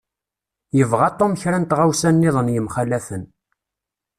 Yebɣa Tom kra n tɣawsa-nniḍen yemxalafen.